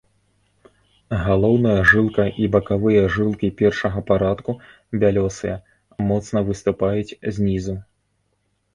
Галоўная жылка і бакавыя жылкі першага парадку бялёсыя, моцна выступаюць знізу.